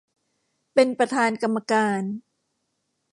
เป็นประธานกรรมการ